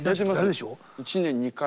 一年２回。